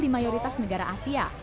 di mayoritas negara asia